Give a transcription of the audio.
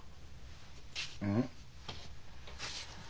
うん？